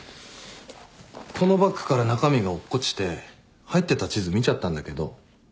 このバッグから中身が落っこちて入ってた地図見ちゃったんだけど。